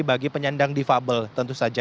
bagi penyandang difabel tentu saja